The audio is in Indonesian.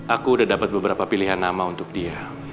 aku udah dapat beberapa pilihan nama untuk dia